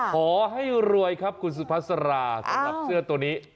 ขอให้รวยครับคุณสุภาษาราสำหรับเสื้อตัวนี้